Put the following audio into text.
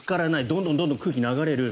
どんどん空気が流れる。